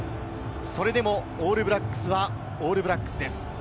それでもオールブラックスはオールブラックスです。